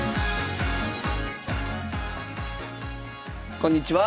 こんにちは。